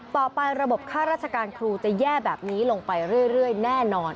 ต่อไประบบค่าราชการครูจะแย่แบบนี้ลงไปเรื่อยแน่นอน